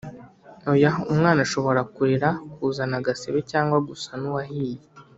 Oya umwana ashobora kurira kuzana agasebe cg gusa n uwahiye